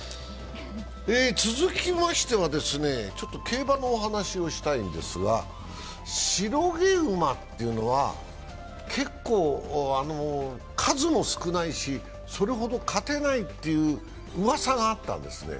続きましては競馬の話をしたいんですが白毛馬というのは結構、数も少ないし、それほど勝てないといううわさがあったんですね。